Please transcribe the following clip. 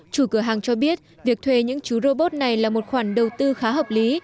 chủ cửa hàng cho biết việc thuê những chú robot này là một khoản đầu tư khá hợp lý